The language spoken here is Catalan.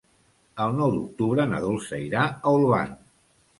El nou d'octubre na Dolça irà a Olvan.